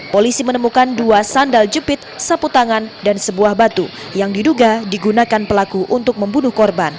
polisi menemukan dua sandal jepit sapu tangan dan sebuah batu yang diduga digunakan pelaku untuk membunuh korban